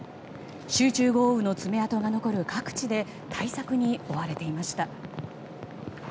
集中豪雨の爪痕が残る各地で対策に追われていました。